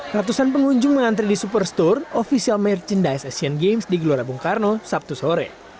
ratusan pengunjung mengantri di super store ofisial merchandise asian games di gelora bung karno sabtu sore